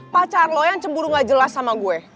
pacar lo yang cemburu gak jelas sama gue